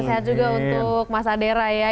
sehat juga untuk mas adera ya